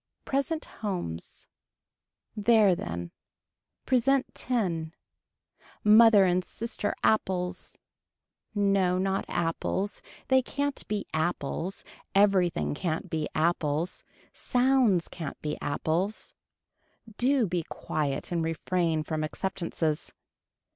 Present Homes. There then. Present ten. Mother and sister apples, no not apples, they can't be apples, everything can't be apples, sounds can't be apples. Do be quiet and refrain from acceptances.